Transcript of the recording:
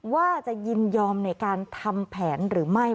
ว่าจะยินยอมในการทำแผนหรือไม่